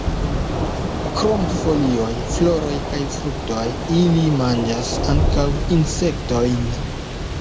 Krom folioj, floroj kaj fruktoj, ili manĝas ankaŭ insektojn.